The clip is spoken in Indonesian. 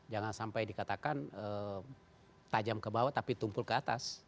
jangan sampai dikatakan tajam ke bawah tapi tumpul ke atas